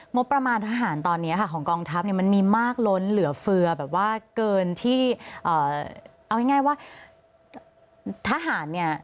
งบประมาณทหารตอนนี้ค่ะของกองทัพเนี่ยมันมีมากล้นเหลือเฟือแบบว่าเกินที่เอาง่ายว่าทหารเนี่ย